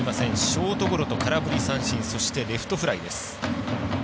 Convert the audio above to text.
ショートゴロと空振り三振そして、レフトフライです。